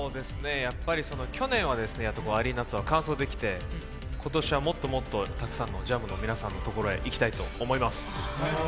去年はアリーナツアー完走できて今年はもっともっとたくさんのファンの皆さんのところに行きたいと思います。